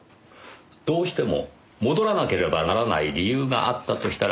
どうしても戻らなければならない理由があったとしたらどうでしょう？